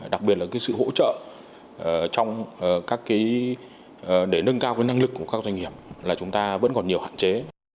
đặc biệt là cái sự hỗ trợ trong để nâng cao năng lực của các doanh nghiệp là chúng ta vẫn còn nhiều hạn chế